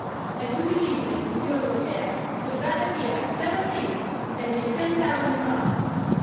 I do believe that Monsieur Doltaire would rather hear a clever thing than get ten thousand francs.